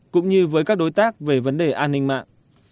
cũng như với các đối tác về vấn đề an ninh mạng